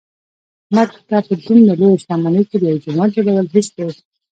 احمد ته په دمره لویه شتمنۍ کې د یوه جومات جوړل هېڅ دي.